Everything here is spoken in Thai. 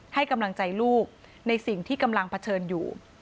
ให้กำลังใจลูกในสิ่งที่กำลังเผชิญอยู่